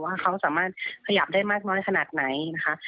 ว่าเขาสามารถขยับได้มากน้อยขนาดไหนนะคะ